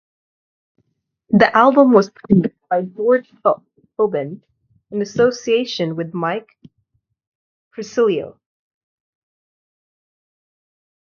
The album was produced by George Tobin in association with Mike Piccirillo.